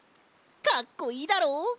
かっこいいだろ？